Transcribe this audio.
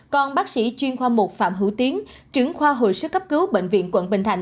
còn bác sĩ chuyên khoa một phạm hữu tiến trưởng khoa hồi sức cấp cứu bệnh viện quận bình thạnh